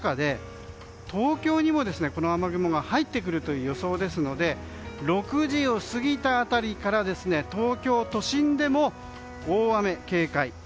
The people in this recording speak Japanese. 東京にも雨雲が入ってくる予想なので６時を過ぎた辺りから東京都心でも大雨警戒。